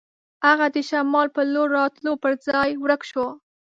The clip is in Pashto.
هغه د شمال په لور راتلو پر ځای ورک شو.